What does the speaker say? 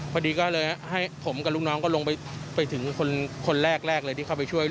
พอดีก็เลยให้ผมกับลูกน้องก็ลงไปถึงคนแรกเลยที่เข้าไปช่วย